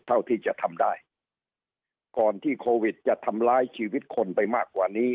เท่าที่จะทำได้ก่อนที่โควิดจะทำร้ายชีวิตคนไปมากกว่านี้